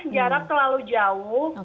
jarak terlalu jauh